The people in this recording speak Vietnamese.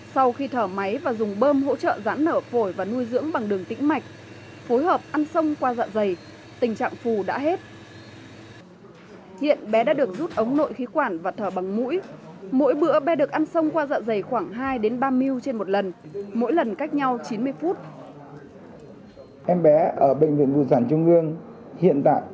sau khi thở máy và dùng bơm hỗ trợ giãn nở phổi và nuôi dưỡng bằng đường tĩnh mạch phối hợp ăn xong qua dạ dày tình trạng phù đã hết